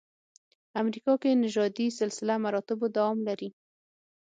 امریکا کې نژادي سلسله مراتبو دوام لري.